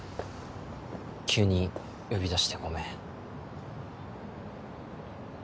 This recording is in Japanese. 急に呼び出してごめん